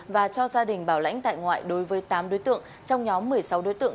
và cho gia đình bảo lãnh tại ngoại đối với tám đối tượng trong nhóm một mươi sáu đối tượng